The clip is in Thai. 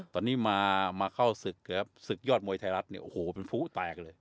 ตอนนี้มาเข้าศึกนะครับศึกยอดมวยไทยรัฐเนี่ยโอ้โหเป็นผู้แตกเลย